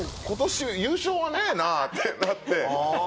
今年優勝はねえなってなって。